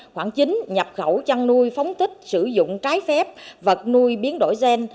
khoảng chín nhập khẩu chăn nuôi phóng tích sử dụng trái phép vật nuôi biến đổi gen